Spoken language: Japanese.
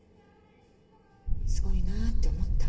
すごいなって思った。